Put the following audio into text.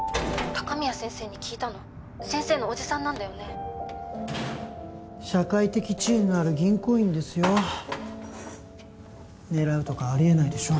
☎鷹宮先生に聞いたの先生の叔父さんなんだよね社会的地位のある銀行員ですよ狙うとかありえないでしょ